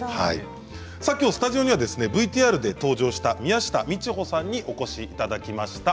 スタジオにはＶＴＲに登場した宮下迪帆さんにお越しいただきました。